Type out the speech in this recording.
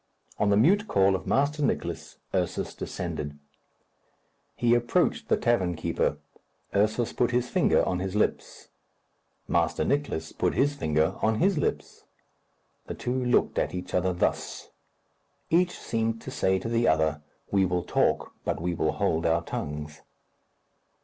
On the mute call of Master Nicless, Ursus descended. He approached the tavern keeper. Ursus put his finger on his lips. Master Nicless put his finger on his lips. The two looked at each other thus. Each seemed to say to the other, "We will talk, but we will hold our tongues."